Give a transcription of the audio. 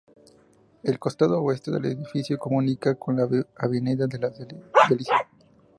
El costado oeste del edificio comunica con la avenida Las Delicias.